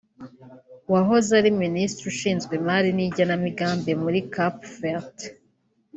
wahoze ari Minisitiri ushinzwe Imari n’Igenamigambi muri Cap Vert